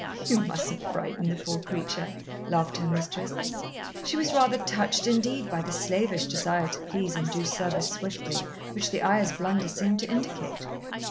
"You mustn't frighten the poor creature," laughed her mistress. She was rather touched indeed by the slavish desire to please and do service swiftly which the Ayah's blunder seemed to indicate.